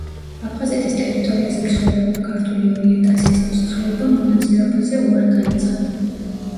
აფხაზეთის ტერიტორიაზე მცხოვრებმა ქართული ორიენტაციის მოსახლეობამ მონაწილეობაზე უარი განაცხადა.